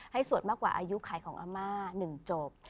ให้สวดมากกว่าอายุขายของอาม่า๑โจทย์